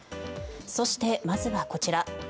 そして、まずはこちら。